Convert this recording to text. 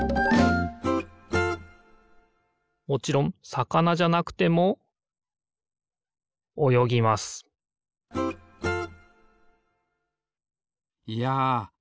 もちろんさかなじゃなくてもおよぎますいやみずって